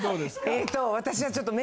えっと